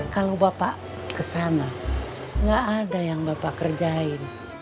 kalau bapak kesana nggak ada yang bapak kerjain